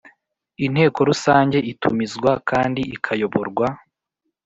Inteko rusange itumizwa kandi ikayoborwa